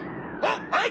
はい！